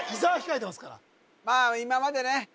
今までね